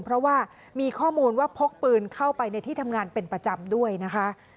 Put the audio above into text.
เพราะว่ามีข้อมูลว่าพกปืนเข้าไปในที่ทำงานเป็นประจำด้วยนะคะ